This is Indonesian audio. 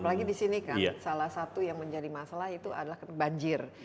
apalagi di sini kan salah satu yang menjadi masalah itu adalah banjir